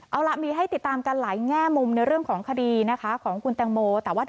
เอาล่ะมีให้ติดตามกันหลายแง่มุมในเรื่องของคดีนะคะของคุณแตงโม